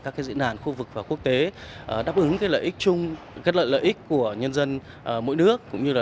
các diễn đàn khu vực và quốc tế đáp ứng lợi ích chung gất lợi ích của nhân dân mỗi nước cũng như là